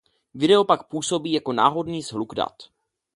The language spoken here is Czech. Video pak působí jako náhodný shluk dat.